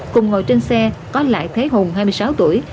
cùng ngồi trên xe có lại thế hùng hai mươi sáu tuổi